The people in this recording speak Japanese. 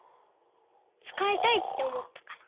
つかいたいっておもったから。